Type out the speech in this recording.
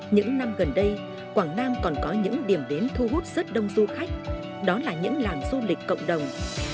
những năm gần đây quảng nam còn có những điểm đến thu hút rất đông du khách đó là những làng du lịch cộng đồng